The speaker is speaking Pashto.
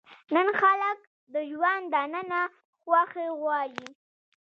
نن خلک د ژوند دننه خوښي غواړي.